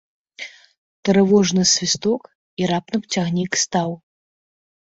Трывожны свісток, і раптам цягнік стаў.